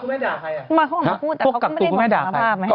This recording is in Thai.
คุณมาเข้ามาพูดแต่เขาก็ไม่ได้บอกสารภาพไหม